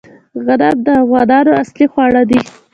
غنم د انسانانو اصلي خواړه دي